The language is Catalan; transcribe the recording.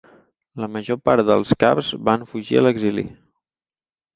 La major part dels caps van fugir a l'exili.